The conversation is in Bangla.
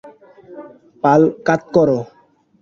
পাল কাত করো।